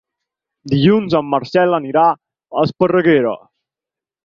Dilluns en Marcel anirà a Esparreguera.